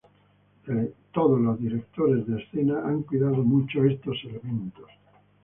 Todos los directores de escena han cuidado mucho estos elementos.